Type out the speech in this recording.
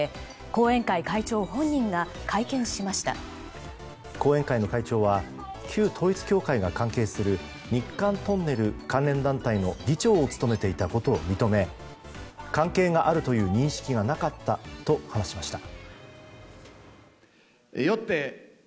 後援会の会長は旧統一教会が関係する日韓トンネル関連団体の議長を務めていたことを認め関係があるという認識がなかったと話しました。